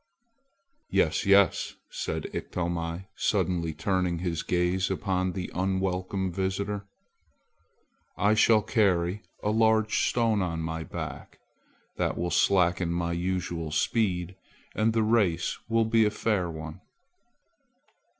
"Yes, yes," said Iktomi, suddenly turning his gaze upon the unwelcome visitor; "I shall carry a large stone on my back. That will slacken my usual speed; and the race will be a fair one."